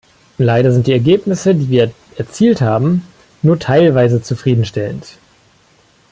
Leider sind die Ergebnisse, die wir erzielt haben, nur teilweise zufriedenstellend.